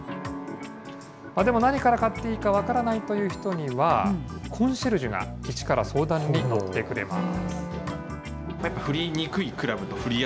でも何から買っていいか分からないという人には、コンシェルジュが相談に乗ってくれます。